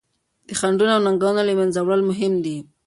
د خنډونو او ننګونو له منځه وړل مهم دي.